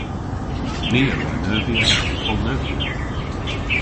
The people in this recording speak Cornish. Ni a wra neuvya y'n poll-neuvya.